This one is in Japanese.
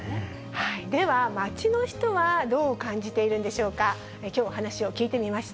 では、街の人はどう感じているんでしょうか。